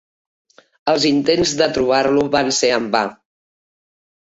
Els intents de trobar-lo van ser en va.